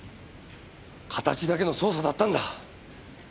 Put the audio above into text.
形だけの捜査だったんだ。